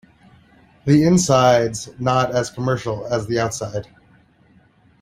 The inside's not as commercial as the outside.